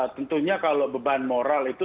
tentunya kalau beban moral itu